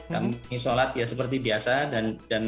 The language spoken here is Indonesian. kami sholat ya seperti biasa dan